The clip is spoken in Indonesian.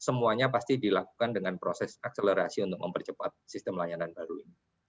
semuanya pasti dilakukan dengan proses akselerasi untuk mempercepat sistem layanan baru ini